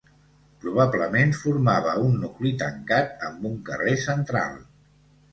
Probablement formava un nucli tancat amb un carrer central.